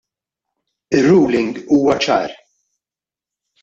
Ir-ruling huwa ċar.